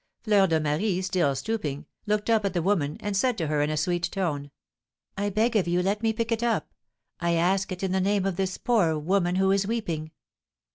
Fleur de Marie, still stooping, looked up at the woman, and said to her in a sweet tone: "I beg of you let me pick it up. I ask it in the name of this poor woman who is weeping."